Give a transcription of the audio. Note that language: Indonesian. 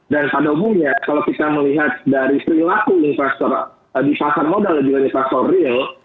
dan pada umumnya kalau kita melihat dari perilaku investor di pasar modal yang dijalani sektor real